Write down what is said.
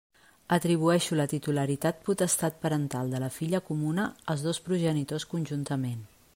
Atribueixo la titularitat potestat parental de la filla comuna als dos progenitors conjuntament.